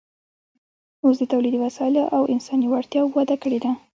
اوس د تولیدي وسایلو او انساني وړتیاوو وده کړې ده